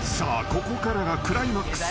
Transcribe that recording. ここからがクライマックス。